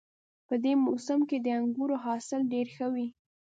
په دې موسم کې د انګورو حاصل ډېر ښه وي